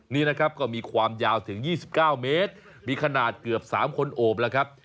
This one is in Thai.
นี่นะครับก็มีความยาวถึง๒๙เมตรมีขนาดเกือบ๓คนโอบแล้วครับ